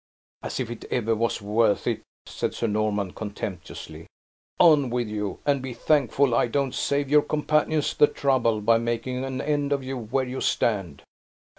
"As if it ever was worth it," said Sir Norman, contemptuously. "On with you, and be thankful I don't save your companions the trouble, by making an end of you where you stand."